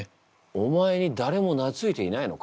お前に誰もなついていないのか？